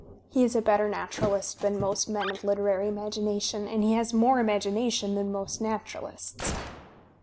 He is a better naturalist than most men of literary imagination, and he has more imagination than most naturalists.